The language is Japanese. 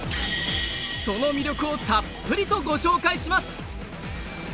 その魅力をたっぷりとご紹介します！